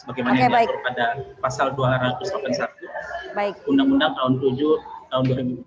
bagaimana yang diatur pada pasal dua ratus delapan puluh satu undang undang tahun tujuh tahun dua ribu empat belas